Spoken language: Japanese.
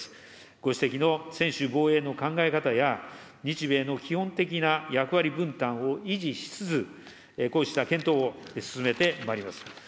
ご指摘の専守防衛の考え方や、日米の基本的な役割分担を維持しつつ、こうした検討を進めてまいります。